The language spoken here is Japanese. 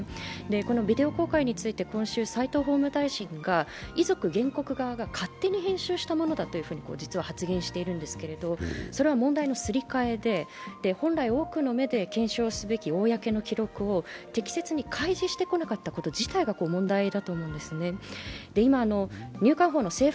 このビデオ公開について今週、斎藤法務大臣が遺族原告側が勝手に編集したものだと実は発言しているんですけどそれは問題のすり替えで本来多くの目で検証すべき公の記録を開示してこなかったことが問題だと思うんですね。